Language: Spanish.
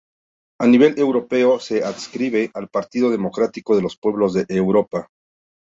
A nivel europeo se adscribe al Partido Democrático de los Pueblos de Europa.